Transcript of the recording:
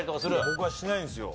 僕はしないんですよ。